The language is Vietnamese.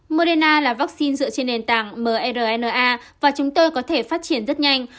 moderna là vaccine dựa trên nền tảng mrna và chúng tôi có thể phát triển rất nhanh